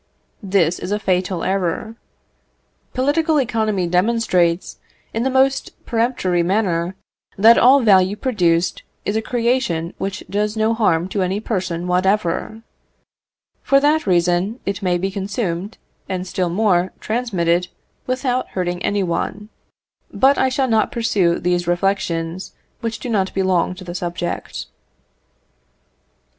This is a fatal error. Political economy demonstrates, in the most peremptory manner, that all value produced is a creation which does no harm to any person whatever. For that reason it may be consumed, and, still more, transmitted, without hurting any one; but I shall not pursue these reflections, which do not belong to the subject.